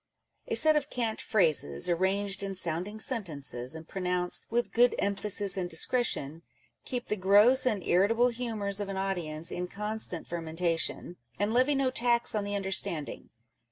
A set of cant phrases, arranged in sounding sentences, and pronounced " with good emphasis and discretion," keep the gross and irritable humours of an audience in constant fermentation ; and levy no tax on the understanding.